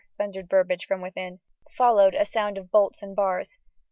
thundered Burbage from within. Followed a sound of bolts and bars....